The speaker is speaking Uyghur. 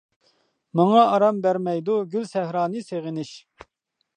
ماڭا ئارام بەرمەيدۇ، گۈل سەھرانى سېغىنىش.